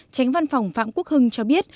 tránh văn phòng phạm quốc hưng cho biết